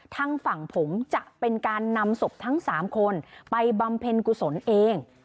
ทางฝั่งผมจะเป็นการนำศพทั้ง๓คนไปบำเพ็ญกุศลเอง